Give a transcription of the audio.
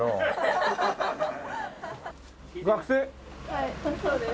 はいそうです。